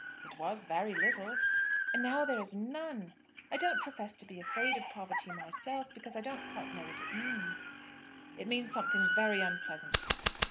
"It was very little." "And now there is none. I don't profess to be afraid of poverty myself, because I don't quite know what it means." "It means something very unpleasant."